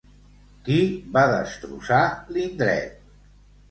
Qui va destrossar l'indret?